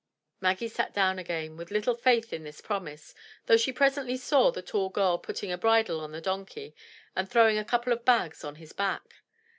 Maggie sat down again with little faith in this promise, though she presently saw the tall girl putting a bridle on the donkey, and throwing a couple of bags on his back.